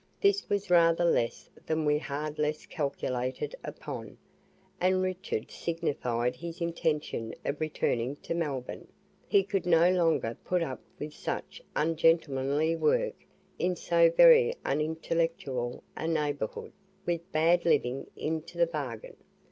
This was rather less than we hard less calculated upon, and Richard signified his intention of returning to Melbourne, "He could no longer put up with such ungentlemanly work in so very unintellectual a neighbourhood, with bad living into the bargain."